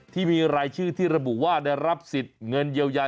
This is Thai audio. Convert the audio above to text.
ที่มีรายชื่อที่ระบุว่าได้รับสิทธิ์เงินเยียวยา